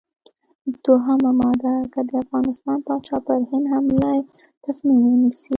دوهمه ماده: که د افغانستان پاچا پر هند حملې تصمیم ونیو.